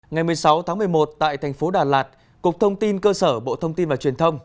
ngày một mươi sáu tháng một mươi một tại thành phố đà lạt cục thông tin cơ sở bộ thông tin và truyền thông